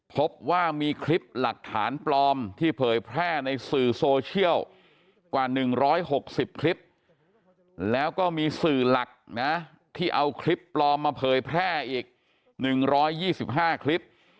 พบว่ามีคลิปหลักฐานปลอมที่เผยแพร่ในสื่อโซเชียลกว่า๑๖๐คลิปแล้วก็มีสื่อหลักนะที่เอาคลิปปลอมมาเผยแพร่อีก๑๒๕คลิป